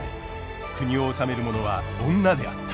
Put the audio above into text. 国を治める者は女であった。